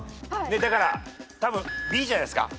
だからたぶんＢじゃないすか？